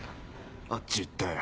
あっち行ったよ。